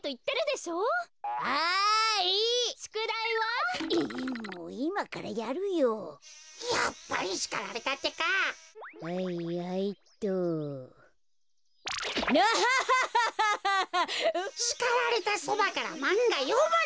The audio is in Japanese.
しかられたそばからまんがよむな。